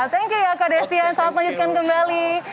thank you ya kak desya selamat lanjutkan kembali